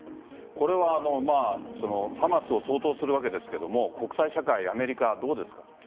これはハマスを掃討するわけですが国際社会、アメリカどうですか？